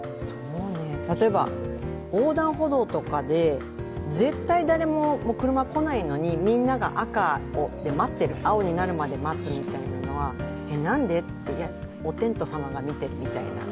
例えば横断歩道とかで、絶対誰も車、来ないのにみんなが赤で待ってる、青になるまで待つのはなんで？ってお天道様が見ているみたいな。